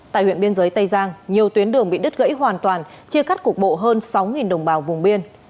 tại huyện biên giới tây giang nhiều tuyến đường bị đứt gãy hoàn toàn chia cắt cục bộ hơn sáu đồng bào vùng biên